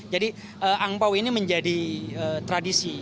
jadi angkau ini menjadi tradisi